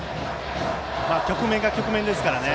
局面が局面ですからね。